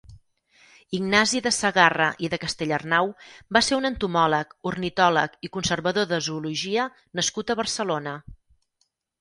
Ignasi de Sagarra i de Castellarnau va ser un entomòleg, ornitòleg i conservador de zoologia nascut a Barcelona.